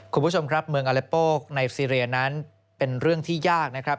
คุณผู้ชมครับเมืองอเลโปไนซีเรียนั้นเป็นเรื่องที่ยากนะครับ